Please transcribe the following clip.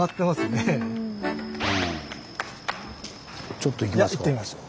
ちょっと行きますか。